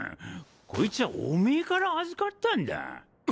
こいつはおめぇから預かったんだ。